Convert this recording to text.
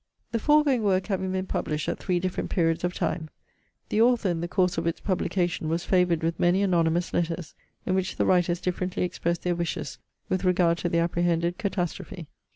The foregoing work having been published at three different periods of time, the author, in the course of its publication, was favoured with many anonymous letters, in which the writers differently expressed their wishes with regard to the apprehended catastrophe.